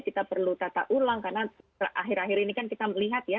kita perlu tata ulang karena akhir akhir ini kan kita melihat ya